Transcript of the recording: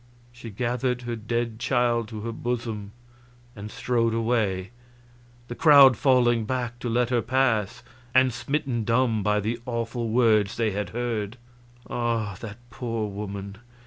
She gathered her dead child to her bosom and strode away, the crowd falling back to let her pass, and smitten dumb by the awful words they had heard. Ah, that poor woman!